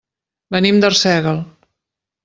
Venim d'Arsèguel.